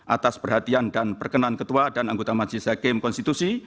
atas perhatian dan perkenan ketua dan anggota masjid zahid tim konstitusi